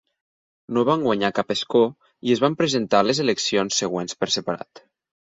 No van guanyar cap escó i es van presentar a les eleccions següents per separat.